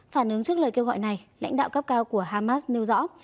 phản ứng trước lời kêu gọi này lãnh đạo cấp cao của hamas nêu rõ